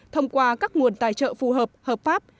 thông qua các nguồn tài trợ phù hợp hợp pháp